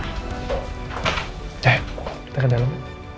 kita ke dalam